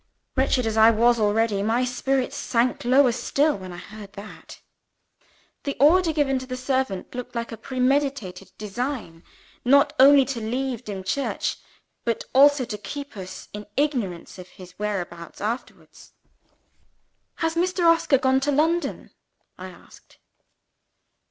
Wretched as I was already, my spirits sank lower still when I heard that. The order given to the servant looked like a premeditated design, not only to leave Dimchurch, but also to keep us in ignorance of his whereabouts afterwards. "Has Mr. Oscar gone to London?" I inquired.